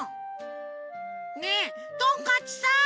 ねえトンカチさん！